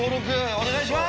お願いします！